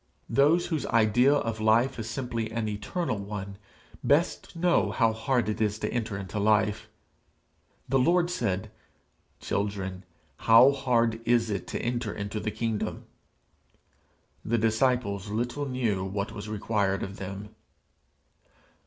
Those whose idea of life is simply an eternal one, best know how hard it is to enter into life. The Lord said, 'Children how hard is it to enter into the kingdom!' the disciples little knew what was required of them!